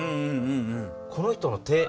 この人の手。